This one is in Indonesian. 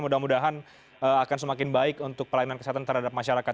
mudah mudahan akan semakin baik untuk pelayanan kesehatan terhadap masyarakat